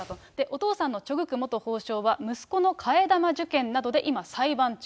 お父さんのチョ・グク法相は息子の替え玉受験などで今、裁判中。